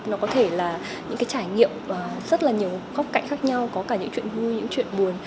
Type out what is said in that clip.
nó có thể là những cái trải nghiệm rất là nhiều góc cạnh khác nhau có cả những chuyện vui những chuyện buồn